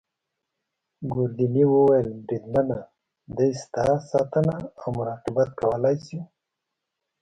ګوردیني وویل: بریدمنه دی ستا ساتنه او مراقبت کولای شي.